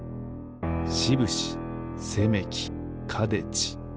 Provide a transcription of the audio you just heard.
しぶしせめきかでち。